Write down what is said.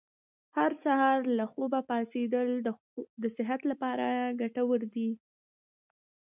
هر سهار له خوبه وختي پاڅېدل د صحت لپاره ګټور دي.